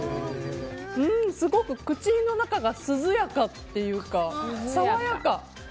うん、すごく口の中が涼やかというか爽やか。